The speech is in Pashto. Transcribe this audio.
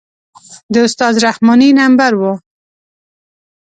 د استاد رحماني نمبر و.